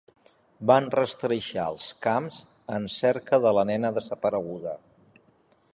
Van rastrejar els camps en cerca de la nena desapareguda.